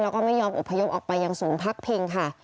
แล้วก็ไม่ยอมอบพยพออกไปยังศูนย์พักพิงค่ะ